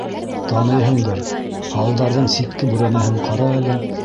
Таныйһыңдыр, һалдарҙың ситке бүрәнәһен ҡара әле...